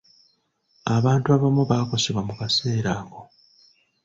Abantu abamu baakosebwa mu kaseera ako .